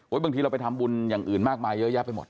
บางทีเราไปทำบุญอย่างอื่นมากมายเยอะแยะไปหมด